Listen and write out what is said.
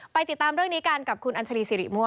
ไปติดตามด้วยกันกับคุณอันทรีย์สิริมั่ว